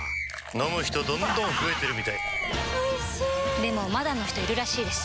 飲む人どんどん増えてるみたいおいしでもまだの人いるらしいですよ